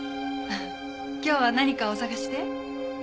今日は何かお探しで？